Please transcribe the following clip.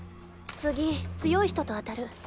次強い人と当たる。